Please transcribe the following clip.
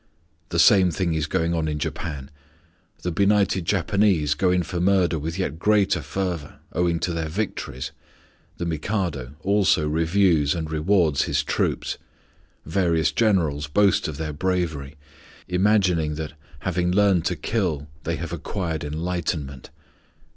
The same thing is going on in Japan. The benighted Japanese go in for murder with yet greater fervor, owing to their victories; the Mikado also reviews and rewards his troops; various Generals boast of their bravery, imagining that, having learned to kill, they have acquired enlightenment.